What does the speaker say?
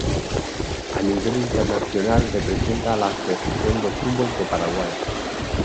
A nivel internacional representa a la Selección de fútbol de Paraguay.